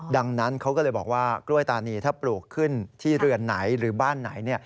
ดังนั้นเขาก็เลยบอกว่ากล้วยตานีถ้าปลูกขึ้นที่เรือนไหนหรือบ้านไหน